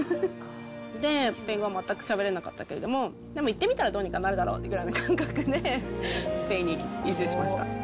で、スペイン語は全くしゃべれなかったけれども、でも行ってみたらどうにかなるだろうぐらいな感覚で、スペインに移住しました。